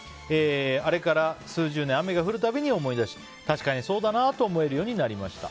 あれから数十年雨が降るたびに思い出し確かにそうだなと思えるようになりました。